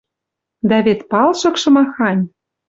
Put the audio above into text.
Дӓ вет палшыкшы махань!